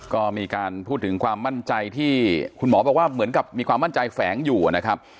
ก็มีการพูดถึงความมั่นใจที่คุณหมอบอกว่าเหมือนกับมีความมั่นใจแฝงอยู่นะครับ